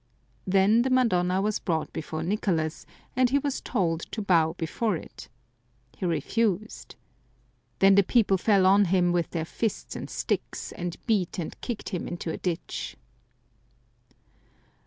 Then the Madonna was brought before Nicolas, and he was told to bow before it. He refused. Then the people fell on him with their fists and sticks, and beat and kicked him into a ditch.